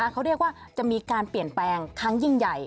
เขาเรียกว่าจะมีการเปลี่ยนแปลงครั้งยิ่งใหญ่